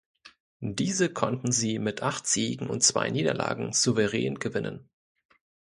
Diese konnten sie mit acht Siegen und zwei Niederlagen souverän gewinnen.